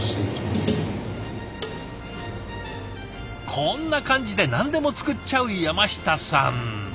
こんな感じで何でも作っちゃう山下さん。